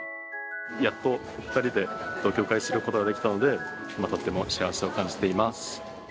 やっと２人で同居を開始することができたのでいまとっても幸せを感じています。